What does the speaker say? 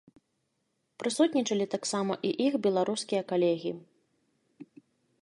Прысутнічалі таксама і іх беларускія калегі.